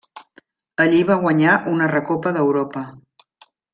Allí va guanyar una Recopa d'Europa.